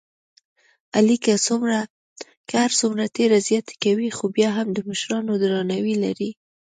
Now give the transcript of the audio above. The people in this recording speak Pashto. علی که هرڅومره تېره زیاته کوي، خوبیا هم د مشرانو درناوی لري.